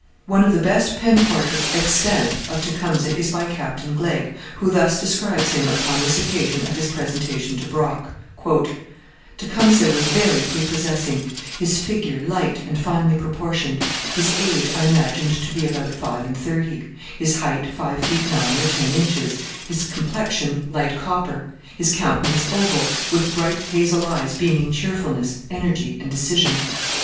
One of the best pen portraits extant of Tecumseh is by Captain Glegg, who thus describes him upon this occasion of his presentation to Brock: Tecumseh was very prepossessing, his figure light and finely proportioned, his age I imagined to be about five and thirty, his height five feet nine or ten inches, his complexion light copper, his countenance oval, with bright hazel eyes beaming cheerfulness, energy and decision.